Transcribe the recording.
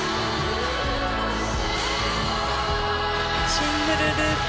シングルループ。